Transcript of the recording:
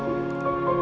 oh siapa ini